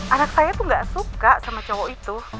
anak saya tuh gak suka sama cowok itu